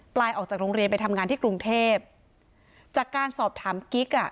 ลายออกจากโรงเรียนไปทำงานที่กรุงเทพจากการสอบถามกิ๊กอ่ะ